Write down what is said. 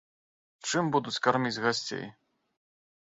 Чым будуць карміць гасцей?